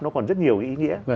nó còn rất nhiều ý nghĩa